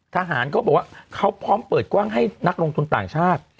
เขาบอกว่าเขาพร้อมเปิดกว้างให้นักลงทุนต่างชาติ